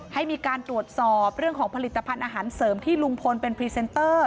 ให้มีการตรวจสอบเรื่องของผลิตภัณฑ์อาหารเสริมที่ลุงพลเป็นพรีเซนเตอร์